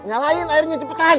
nyalain airnya cepetan